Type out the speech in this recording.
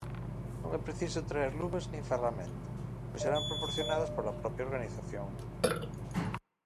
Non é preciso traer luvas nin ferramenta, pois serán proporcionadas pola propia organización.